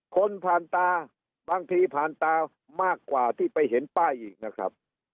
คนผ่านตาบางทีผ่านตามากกว่าที่ไปเห็นป้ายอีกนะครับ